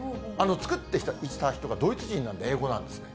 作ってた人がドイツ人なんで英語なんですね。